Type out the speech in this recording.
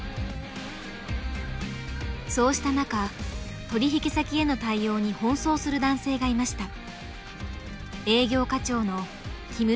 そうした中取引先への対応に奔走する男性がいました。